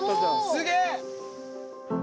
すげえ！